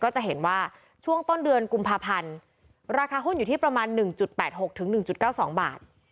ก็จะเห็นว่าช่วงต้นเดือนกุมภาพันธ์ราคาหุ้นอยู่ที่ประมาณหนึ่งจุดแปดหกถึงหนึ่งจุดเก้าสองบาท